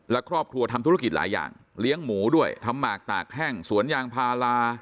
และครอบครัวทำธุรกิจหลายอย่างเลี้ยงหมูด้วยทำหมากตากแห้งสวนยางพารา